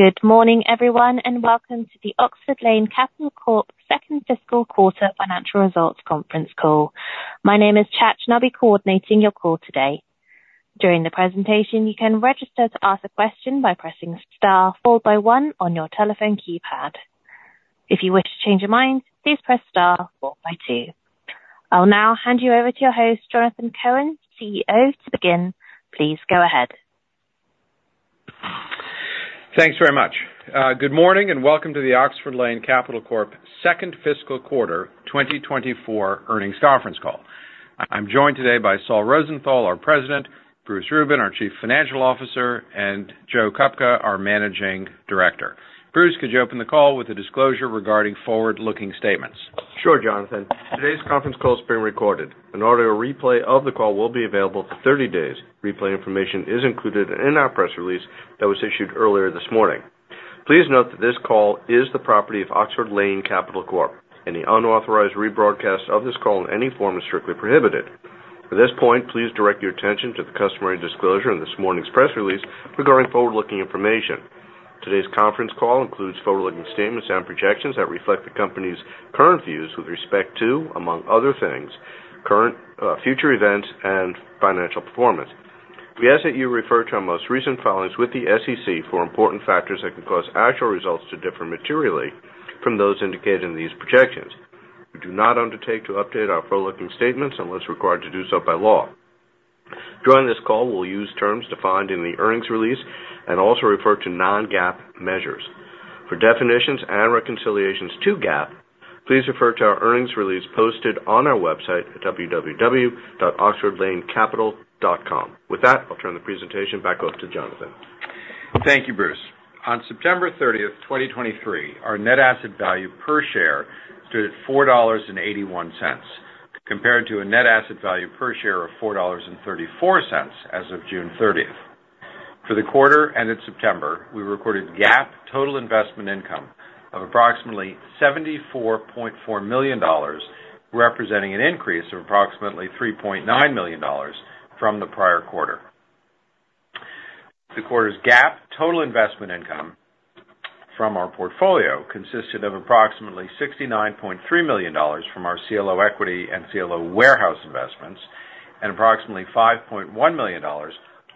Good morning, everyone, and welcome to the Oxford Lane Capital Corp second fiscal quarter financial results conference call. My name is Chach, and I'll be coordinating your call today. During the presentation, you can register to ask a question by pressing star followed by one on your telephone keypad. If you were to change your mind, please press star followed by two. I'll now hand you over to your host, Jonathan Cohen, CEO. To begin, please go ahead. Thanks very much. Good morning, and welcome to the Oxford Lane Capital Corp. second fiscal quarter 2024 earnings conference call. I'm joined today by Saul Rosenthal, our President, Bruce Rubin, our Chief Financial Officer, and Joe Kupka, our Managing Director. Bruce, could you open the call with a disclosure regarding forward-looking statements? Sure, Jonathan. Today's conference call is being recorded. An audio replay of the call will be available for 30 days. Replay information is included in our press release that was issued earlier this morning. Please note that this call is the property of Oxford Lane Capital Corp. Any unauthorized rebroadcast of this call in any form is strictly prohibited. At this point, please direct your attention to the customary disclosure in this morning's press release regarding forward-looking information. Today's conference call includes forward-looking statements and projections that reflect the company's current views with respect to, among other things, current, future events and financial performance. We ask that you refer to our most recent filings with the SEC for important factors that could cause actual results to differ materially from those indicated in these projections. We do not undertake to update our forward-looking statements unless required to do so by law. During this call, we'll use terms defined in the earnings release and also refer to non-GAAP measures. For definitions and reconciliations to GAAP, please refer to our earnings release posted on our website at www.oxfordlanecapital.com. With that, I'll turn the presentation back over to Jonathan. Thank you, Bruce. On September 30th, 2023, our net asset value per share stood at $4.81, compared to a net asset value per share of $4.34 as of June 30th. For the quarter ended September, we recorded GAAP total investment income of approximately $74.4 million, representing an increase of approximately $3.9 million from the prior quarter. The quarter's GAAP total investment income from our portfolio consisted of approximately $69.3 million from our CLO equity and CLO warehouse investments and approximately $5.1 million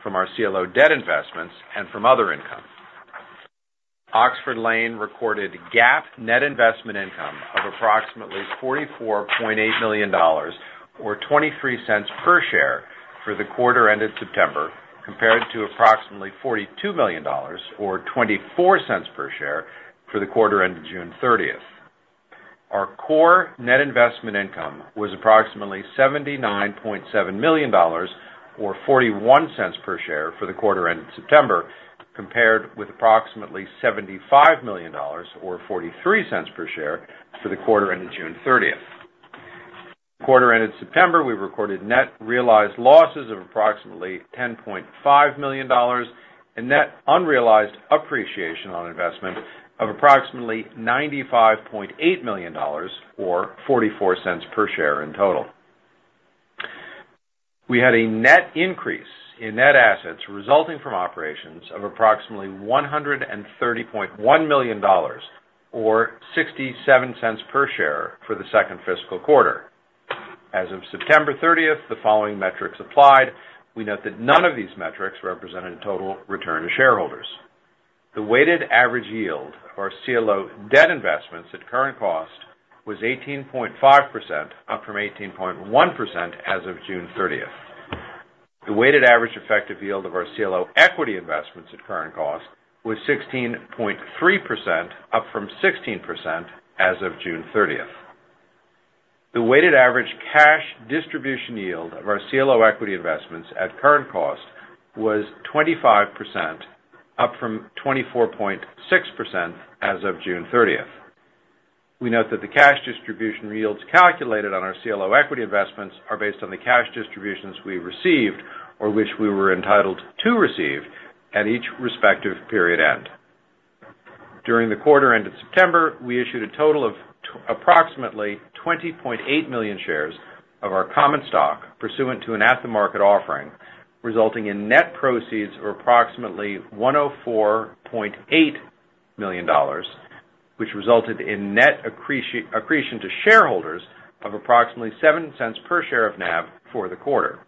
from our CLO debt investments and from other income. Oxford Lane recorded GAAP net investment income of approximately $44.8 million, or $0.23 per share for the quarter ended September, compared to approximately $42 million or $0.24 per share for the quarter ended June thirtieth. Our core net investment income was approximately $79.7 million, or $0.41 per share for the quarter ended September, compared with approximately $75 million, or $0.43 per share for the quarter ended June 30th. Quarter ended September, we recorded net realized losses of approximately $10.5 million and net unrealized appreciation on investment of approximately $95.8 million, or $0.44 per share in total. We had a net increase in net assets resulting from operations of approximately $130.1 million, or $0.67 per share for the second fiscal quarter. As of September 30th, the following metrics applied. We note that none of these metrics represented total return to shareholders. The weighted average yield for our CLO debt investments at current cost was 18.5%, up from 18.1% as of June 30th. The weighted average effective yield of our CLO equity investments at current cost was 16.3%, up from 16% as of June 30th. The weighted average cash distribution yield of our CLO equity investments at current cost was 25%, up from 24.6% as of June 30th. We note that the cash distribution yields calculated on our CLO equity investments are based on the cash distributions we received, or which we were entitled to receive at each respective period end. During the quarter ended September, we issued a total of approximately 20.8 million shares of our common stock pursuant to an at-the-market offering, resulting in net proceeds of approximately $104.8 million, which resulted in net accretion to shareholders of approximately $0.07 per share of NAV for the quarter.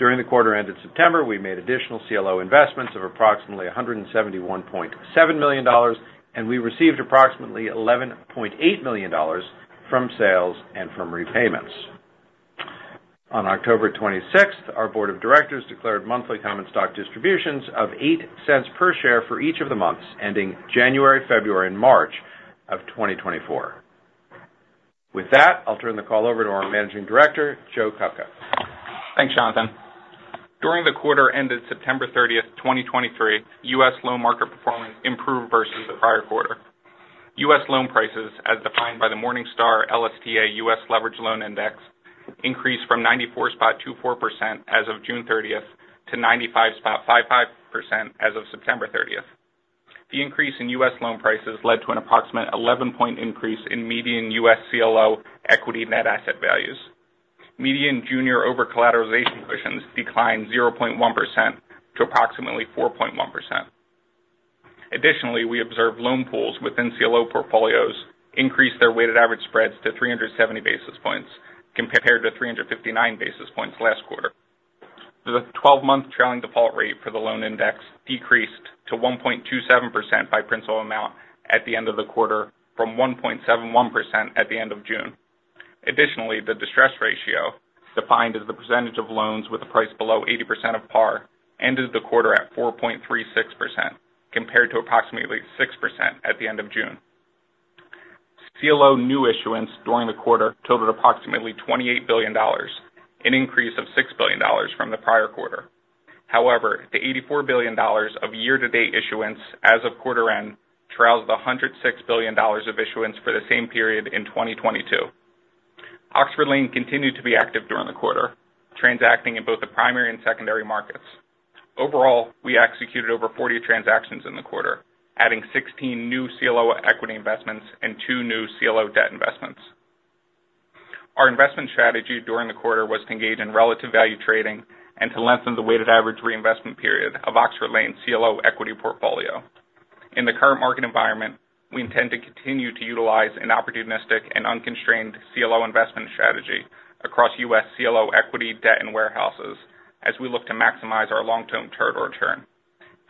During the quarter ended September, we made additional CLO investments of approximately $171.7 million, and we received approximately $11.8 million from sales and from repayments. On October 26th, our board of directors declared monthly common stock distributions of $0.08 per share for each of the months, ending January, February, and March of 2024. With that, I'll turn the call over to our managing director, Joe Kupka. Thanks, Jonathan. During the quarter ended September 30th, 2023, U.S. loan market performance improved versus the prior quarter. U.S. loan prices, as defined by the Morningstar LSTA U.S. Leveraged Loan Index, increased from 94.24% as of June 30th to 95.55% as of September 30th. The increase in U.S. loan prices led to an approximate 11-point increase in median U.S. CLO equity net asset values. Median junior over-collateralization cushions declined 0.1% to approximately 4.1%. Additionally, we observed loan pools within CLO portfolios increase their weighted average spreads to 370 basis points, compared to 359 basis points last quarter. The 12-month trailing default rate for the loan index decreased to 1.27% by principal amount at the end of the quarter, from 1.71% at the end of June. Additionally, the distress ratio, defined as the percentage of loans with a price below 80% of par, ended the quarter at 4.36%, compared to approximately 6% at the end of June. CLO new issuance during the quarter totaled approximately $28 billion, an increase of $6 billion from the prior quarter. However, the $84 billion of year-to-date issuance as of quarter end trails the $106 billion of issuance for the same period in 2022. Oxford Lane continued to be active during the quarter, transacting in both the primary and secondary markets. Overall, we executed over 40 transactions in the quarter, adding 16 new CLO equity investments and two new CLO debt investments. Our investment strategy during the quarter was to engage in relative value trading and to lengthen the weighted average reinvestment period of Oxford Lane's CLO equity portfolio. In the current market environment, we intend to continue to utilize an opportunistic and unconstrained CLO investment strategy across U.S. CLO equity, debt, and warehouses as we look to maximize our long-term total return.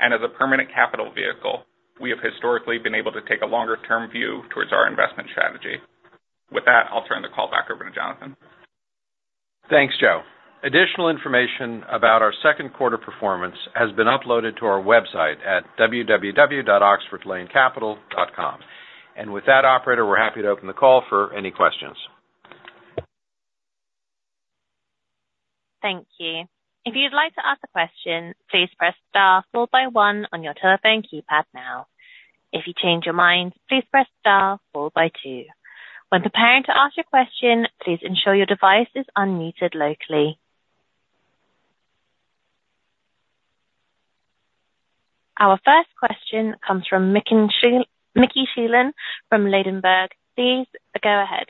And as a permanent capital vehicle, we have historically been able to take a longer-term view towards our investment strategy. With that, I'll turn the call back over to Jonathan. Thanks, Joe. Additional information about our second quarter performance has been uploaded to our website at www.oxfordlanecapital.com. With that, operator, we're happy to open the call for any questions. Thank you. If you'd like to ask a question, please press star followed by one on your telephone keypad now. If you change your mind, please press star followed by two. When preparing to ask your question, please ensure your device is unmuted locally. Our first question comes from Mickey Schleien from Ladenburg. Please go ahead.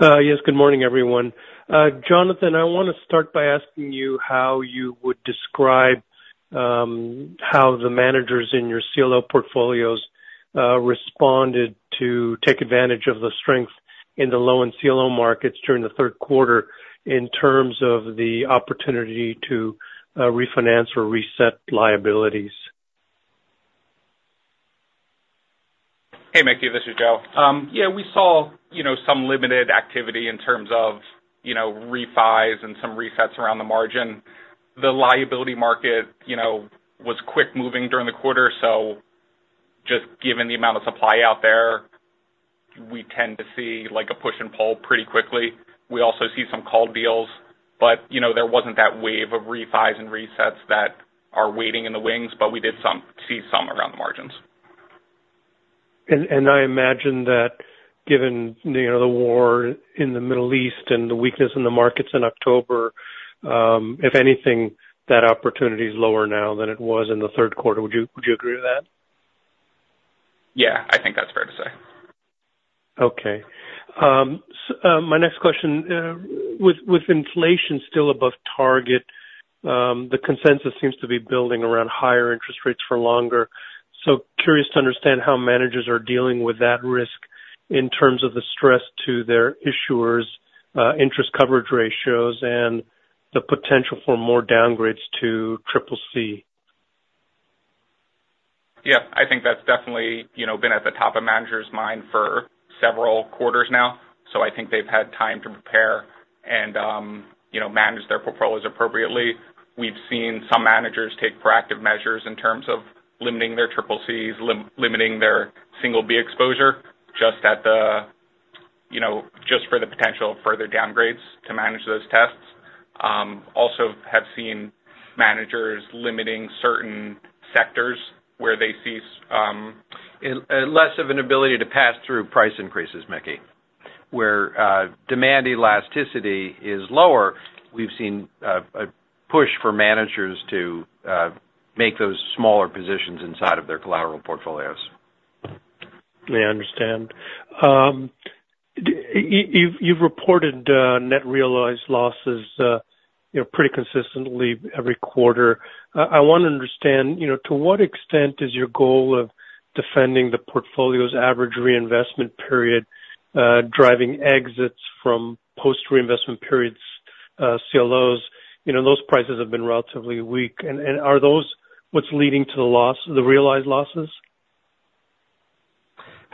Yes, good morning, everyone. Jonathan, I want to start by asking you how you would describe how the managers in your CLO portfolios responded to take advantage of the strength in the loan CLO markets during the third quarter in terms of the opportunity to refinance or reset liabilities? Hey, Mickey, this is Joe. Yeah, we saw, you know, some limited activity in terms of, you know, refis and some resets around the margin. The liability market, you know, was quick moving during the quarter, so just given the amount of supply out there, we tend to see, like, a push and pull pretty quickly. We also see some called deals, but, you know, there wasn't that wave of refis and resets that are waiting in the wings, but we did see some around the margins. I imagine that given, you know, the war in the Middle East and the weakness in the markets in October, if anything, that opportunity is lower now than it was in the third quarter. Would you agree with that? Yeah, I think that's fair to say. Okay. My next question, with inflation still above target, the consensus seems to be building around higher interest rates for longer. So curious to understand how managers are dealing with that risk in terms of the stress to their issuers, interest coverage ratios and the potential for more downgrades to CCC. Yeah, I think that's definitely, you know, been at the top of managers' mind for several quarters now, so I think they've had time to prepare and, you know, manage their portfolios appropriately. We've seen some managers take proactive measures in terms of limiting their CCCs, limiting their single B exposure, just at the, you know, just for the potential further downgrades to manage those tests. Also have seen managers limiting certain sectors where they see, Less of an ability to pass through price increases, Mickey, where demand elasticity is lower, we've seen a push for managers to make those smaller positions inside of their collateral portfolios. I understand. You've reported, you know, net realized losses pretty consistently every quarter. I want to understand, you know, to what extent is your goal of defending the portfolio's average reinvestment period driving exits from post-reinvestment periods CLOs? You know, those prices have been relatively weak, and are those what's leading to the loss, the realized losses?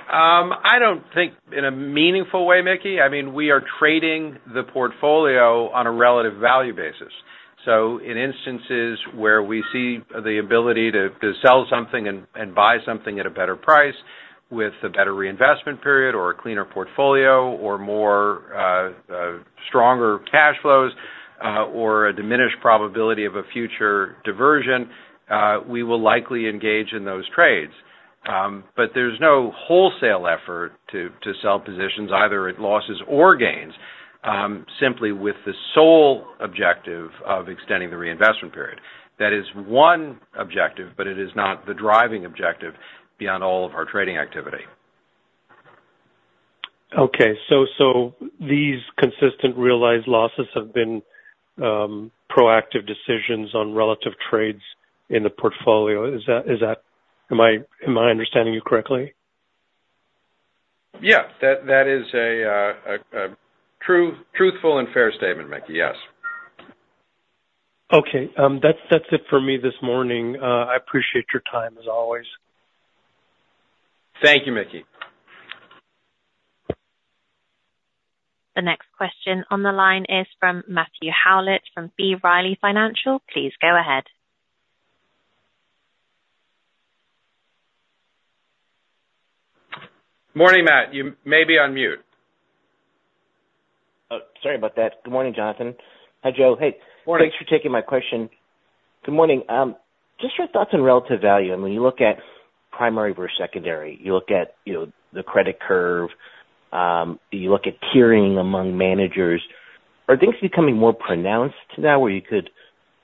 I don't think in a meaningful way, Mickey. I mean, we are trading the portfolio on a relative value basis. So in instances where we see the ability to sell something and buy something at a better price, with a better reinvestment period or a cleaner portfolio, or more stronger cash flows, or a diminished probability of a future diversion, we will likely engage in those trades. But there's no wholesale effort to sell positions, either at losses or gains, simply with the sole objective of extending the reinvestment period. That is one objective, but it is not the driving objective beyond all of our trading activity. Okay. So these consistent realized losses have been proactive decisions on relative trades in the portfolio. Is that - Am I understanding you correctly? Yeah, that is a truthful and fair statement, Mickey. Yes. Okay, that's it for me this morning. I appreciate your time, as always. Thank you, Mickey. The next question on the line is from Matthew Howlett, from B. Riley Financial. Please go ahead. Morning, Matt. You may be on mute. Oh, sorry about that. Good morning, Jonathan. Hi, Joe. Hey- Morning. Thanks for taking my question. Good morning. Just your thoughts on relative value. And when you look at primary versus secondary, you look at, you know, the credit curve, you look at tiering among managers. Are things becoming more pronounced now, where you could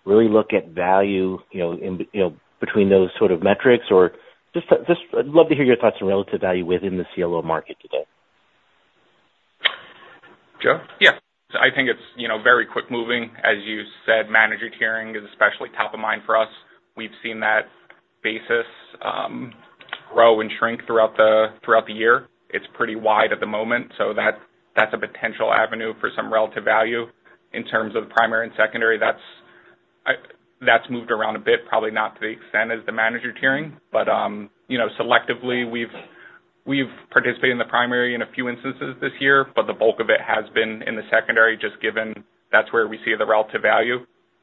really look at value, you know, in, you know, between those sort of metrics? Or just, just I'd love to hear your thoughts on relative value within the CLO market today. Joe? Yeah. I think it's, you know, very quick moving. As you said, manager tiering is especially top of mind for us. We've seen that basis grow and shrink throughout the year. It's pretty wide at the moment, so that's a potential avenue for some relative value. In terms of primary and secondary, that's moved around a bit, probably not to the extent as the manager tiering. But you know, selectively, we've participated in the primary in a few instances this year, but the bulk of it has been in the secondary, just given that's where we see the relative value.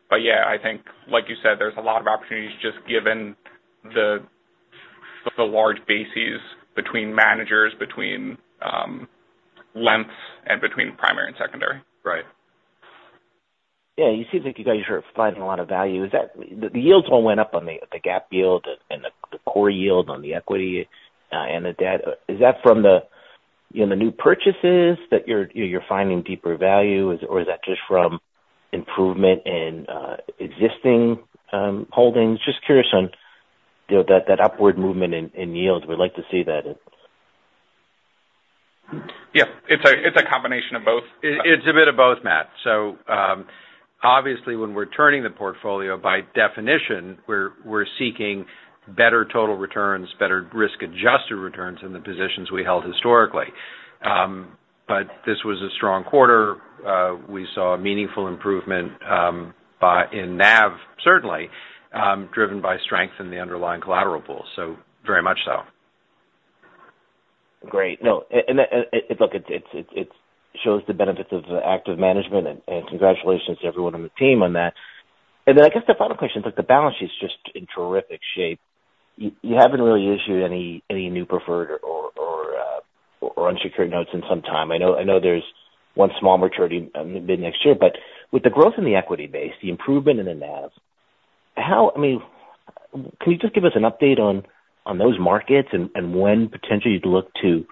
But yeah, I think, like you said, there's a lot of opportunities just given the large bases between managers, between lengths and between primary and secondary. Right. Yeah, you seem like you guys are finding a lot of value. Is that. The yields all went up on the gap yield and the core yield on the equity, and the debt. Is that from the, you know, the new purchases that you're finding deeper value, or is that just from improvement in existing holdings? Just curious on, you know, that upward movement in yields. We'd like to see that. Yeah, it's a combination of both. It's a bit of both, Matt. So, obviously, when we're turning the portfolio, by definition, we're seeking better total returns, better risk-adjusted returns in the positions we held historically. But this was a strong quarter. We saw a meaningful improvement in NAV, certainly, driven by strength in the underlying collateral pool. So very much so. Great. No, and, look, it shows the benefits of the active management, and, congratulations to everyone on the team on that. And then I guess the final question, look, the balance sheet is just in terrific shape. You haven't really issued any new preferred or, or unsecured notes in some time. I know there's one small maturity, mid-next year. But with the growth in the equity base, the improvement in the NAV, how... I mean, can you just give us an update on those markets and when potentially you'd look to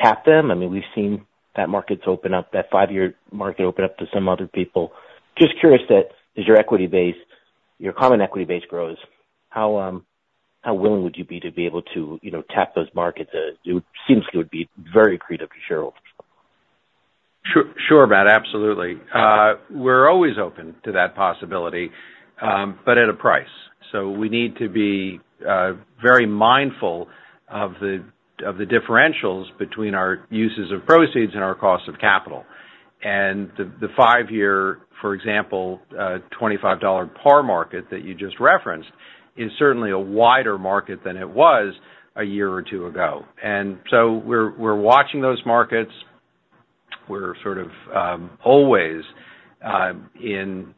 tap them? I mean, we've seen that markets open up, that five-year market open up to some other people. Just curious that as your equity base, your common equity base grows, how willing would you be to be able to, you know, tap those markets? It seems it would be very accretive to shareholders. Sure, sure, Matt. Absolutely. We're always open to that possibility, but at a price. So we need to be very mindful of the differentials between our uses of proceeds and our cost of capital. And the five-year, for example, $25 par market that you just referenced, is certainly a wider market than it was a year or two ago. And so we're watching those markets. We're sort of always in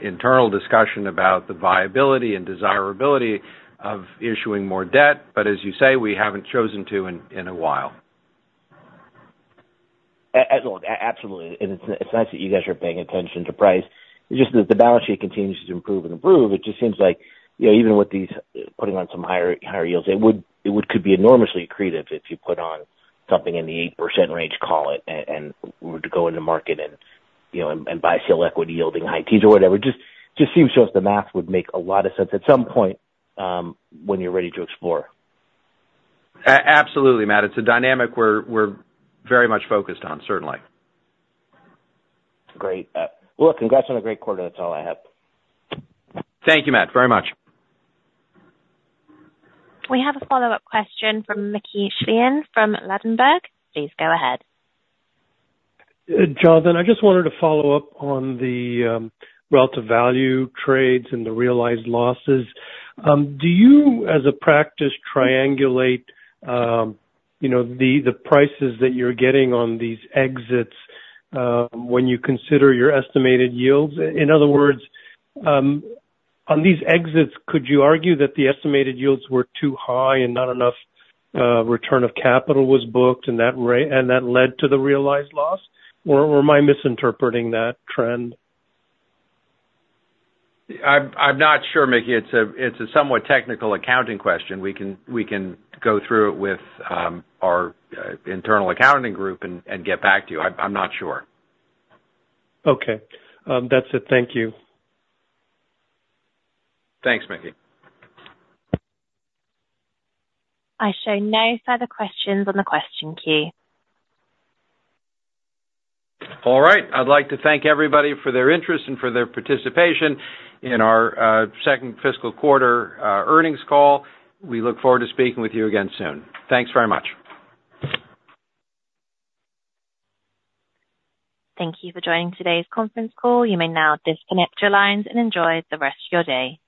internal discussion about the viability and desirability of issuing more debt. But as you say, we haven't chosen to in a while. Absolutely, and it's nice that you guys are paying attention to price. It's just that the balance sheet continues to improve and improve. It just seems like, you know, even with these, putting on some higher, higher yields, it would, it would could be enormously accretive if you put on something in the 8% range call it, and, and were to go in the market and, you know, and, and buy CLO equity yielding high teens or whatever. Just, just seems to us the math would make a lot of sense at some point, when you're ready to explore. Absolutely, Matt. It's a dynamic we're very much focused on, certainly. Great. Well, look, congrats on a great quarter. That's all I have. Thank you, Matt, very much. We have a follow-up question from Mickey Schleien from Ladenburg. Please go ahead. Jonathan, I just wanted to follow up on the relative value trades and the realized losses. Do you, as a practice, triangulate, you know, the prices that you're getting on these exits, when you consider your estimated yields? In other words, on these exits, could you argue that the estimated yields were too high and not enough return of capital was booked, and that and that led to the realized loss? Or am I misinterpreting that trend? I'm not sure, Mickey. It's a somewhat technical accounting question. We can go through it with our internal accounting group and get back to you. I'm not sure. Okay. That's it. Thank you. Thanks, Mickey. I show no further questions on the question queue. All right. I'd like to thank everybody for their interest and for their participation in our second fiscal quarter earnings call. We look forward to speaking with you again soon. Thanks very much. Thank you for joining today's conference call. You may now disconnect your lines and enjoy the rest of your day.